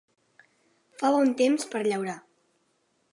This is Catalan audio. Fa bon temps per a llaurar.